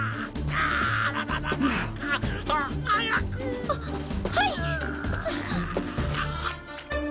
あっはい！